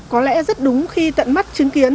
có lẽ rất đúng khi tận mắt chứng kiến